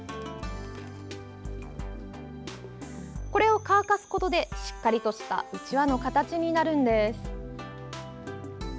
これを乾かすことでしっかりとしたうちわの形になるんです。